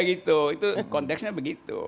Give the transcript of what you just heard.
itu konteksnya begitu